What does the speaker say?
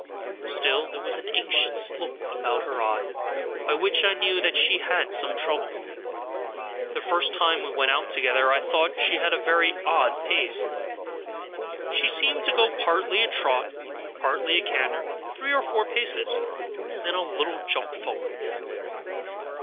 Still, there was an anxious look about her eye, by which I knew that she had some trouble. The first time we went out together I thought she had a very odd pace; she seemed to go partly a trot, partly a canter, three or four paces, and then a little jump forward.